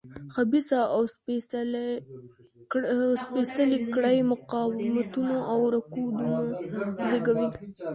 خبیثه او سپېڅلې کړۍ مقاومتونه او رکودونه زېږوي.